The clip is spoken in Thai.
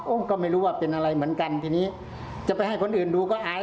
ก็ไม่รู้ว่าเป็นอะไรเหมือนกันทีนี้จะไปให้คนอื่นดูก็อาย